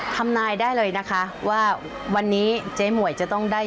ทำนายได้เลยนะคะว่าวันนี้เจ๊หมวยจะต้องได้